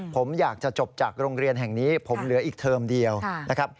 ผมอยากจะจบจากโรงเรียนแห่งนี้ผมเหลืออีกเทอมเดียวนะครับ